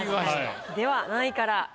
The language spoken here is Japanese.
では何位から？